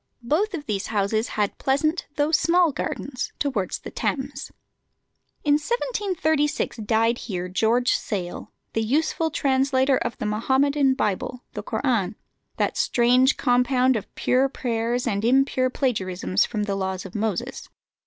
Both of these houses had pleasant though small gardens towards the Thames. In 1736 died here George Sale, the useful translator of the Mohammedan Bible, the Koran, that strange compound of pure prayers and impure plagiarisms from the laws of Moses.